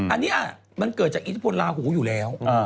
อันนี้มันเกิดจากอิทธิพลลาหูอยู่แล้ว